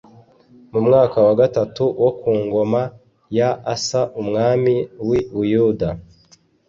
Mu mwaka wa gatatu wo ku ngoma ya Asa umwami w’i Buyuda